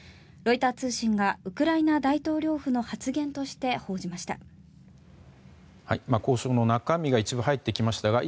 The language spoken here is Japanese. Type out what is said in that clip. ロイター通信がウクライナ大統領府の発言として報じました。